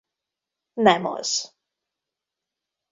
Nem az.